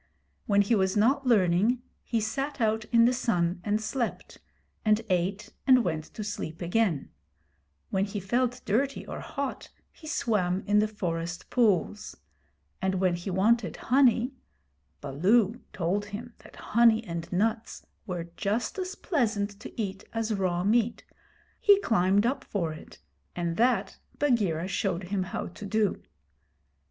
When he was not learning he sat out in the sun and slept, and ate and went to sleep again; when he felt dirty or hot he swam in the forest pools; and when he wanted honey (Baloo told him that honey and nuts were just as pleasant to eat as raw meat) he climbed up for it, and that Bagheera showed him how to do.